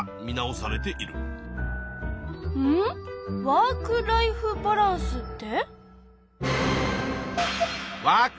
「ワーク・ライフ・バランス」って？